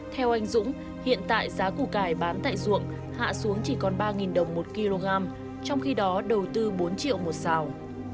theo anh dũng hiện tại giá củ cải bán tại ruộng hạ xuống chỉ còn ba đồng một kg trong khi đó đầu tư bốn triệu một xào